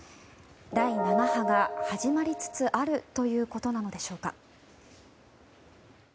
第７波が始まりつつあるということなのでしょうか。